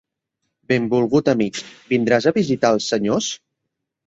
Benvolgut amic, vindràs a visitar els senyors?